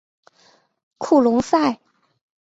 库隆塞。